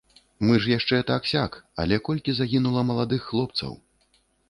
Мы ж яшчэ так-сяк, але колькі загінула маладых хлопцаў!